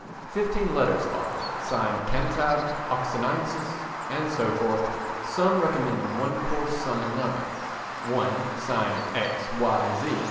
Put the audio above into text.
Fifteen letters followed, signed "Cantab," "Oxoniensis," and so forth, some recommending one course, some another. One, signed "_X.Y.